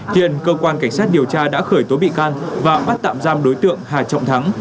hiện cơ quan cảnh sát điều tra đã khởi tố bị can và bắt tạm giam đối tượng hà trọng thắng